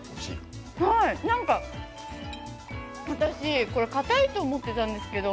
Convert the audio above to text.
何か私、固いと思ってたんですけど